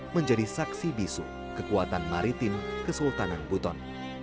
menjadi saksi bisu kekuatan maritim kesultanan buton